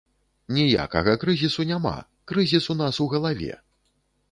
Ніякага крызісу няма, крызіс у нас у галаве!